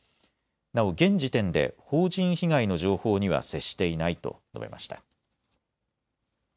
なお現時点で邦人被害の情報には接していないと述べました。